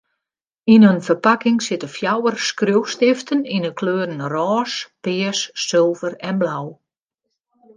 Yn in ferpakking sitte fjouwer skriuwstiften yn 'e kleuren rôs, pears, sulver en blau.